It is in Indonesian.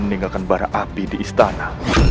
dan meninggalkan bara api di istana